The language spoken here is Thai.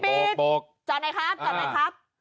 ปีฟีทจอได้ครับจอได้ครับ